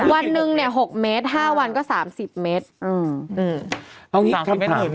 วันหนึ่งเนี่ยหกเมตรห้าวันก็สามสิบเมตร